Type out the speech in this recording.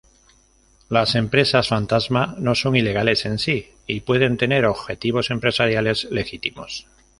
Las empresas fantasma no son ilegales en sí, y pueden tener objetivos empresariales legítimos.